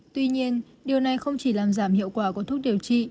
tuy nhiên điều này không chỉ làm giảm hiệu quả của thuốc điều trị